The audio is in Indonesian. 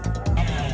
kau boleh nombor